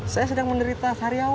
saya sedang menerima